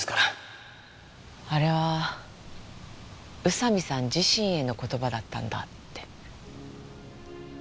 あれは宇佐見さん自身への言葉だったんだって。